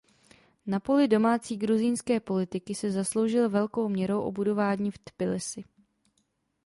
Na poli domácí gruzínské politiky se zasloužil velkou měrou o budování v Tbilisi.